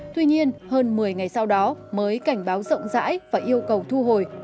tuy nhiên hơn một mươi ngày sau đó mới cảnh báo rộng rãi và yêu cầu thu hồi